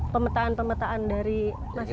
pemetaan pemetaan dari masing masing